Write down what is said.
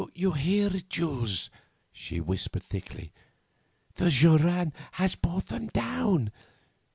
'You hear it, Jules?' she whispered thickly. 'The joran has brought them down.